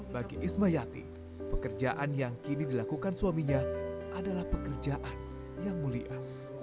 bagi ismayati pekerjaan yang kini dilakukan suaminya adalah pekerjaan yang mulia